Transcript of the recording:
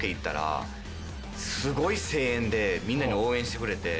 すごい声援でみんな応援してくれて。